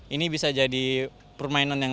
ini bisa jadi permainan yang